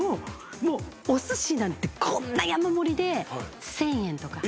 おすしなんてこんな山盛りで１，０００円とか。